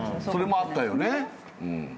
それもあったよね。